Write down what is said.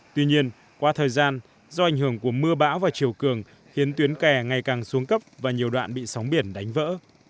tuy nhiên qua thời gian do ảnh hưởng của mưa bão và chiều cường khiến tuyến kè ngày càng xuống cấp và nhiều đoạn bị sóng biển đánh vỡ